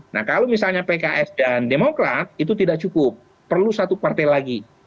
nah kalau misalnya pks dan demokrat itu tidak cukup perlu satu partai lagi